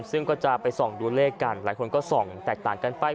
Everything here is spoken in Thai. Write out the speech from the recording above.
ซึ่งก็จะไปส่องดูเลขกันหลายคนก็ส่องแตกต่างกันไป